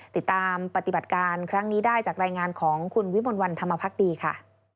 ติดตามปฏิบัติการครั้งนี้ได้จากรายงานของคุณวิมลวันธรรมพักดีค่ะ